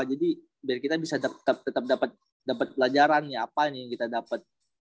jadi biar kita bisa tetep dapet pelajaran nih apa nih yang kita dapet